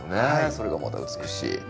それがまた美しい。